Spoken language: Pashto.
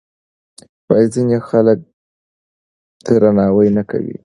ځینې خلک درناوی نه کوي.